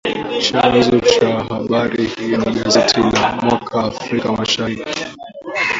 Chanzo cha habari hii ni gazeti la "Mwana Afrika Mashariki"